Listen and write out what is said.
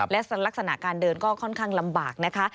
และลักษณะการเดินก็ค่อนข้างลำบากนะคะ